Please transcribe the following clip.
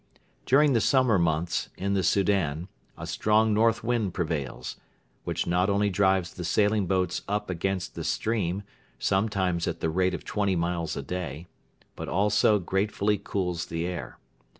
During the summer months, in the Soudan, a strong north wind prevails, which not only drives the sailing boats up against the stream sometimes at the rate of twenty miles a day but also gratefully cools the air.